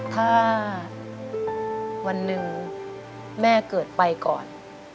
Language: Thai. ถ้าวันหนึ่งแม่เกิดไปก่อน